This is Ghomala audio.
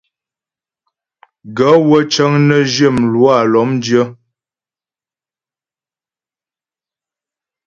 Gaə̂ wə́ cə́ŋ nə́ zhyə mlwâ lɔ́mdyə́.